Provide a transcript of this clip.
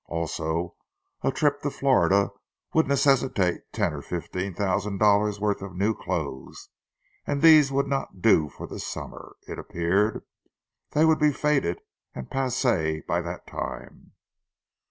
Also, a trip to Florida would necessitate ten or fifteen thousand dollars' worth of new clothes; and these would not do for the summer, it appeared—they would be faded and passé by that time.